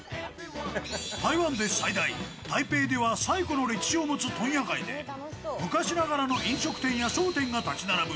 台湾で最大、台北では最古の歴史を持つ問屋街で昔ながらの飲食店や商店が立ち並ぶ